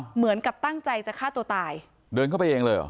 เหมือนกับตั้งใจจะฆ่าตัวตายเดินเข้าไปเองเลยเหรอ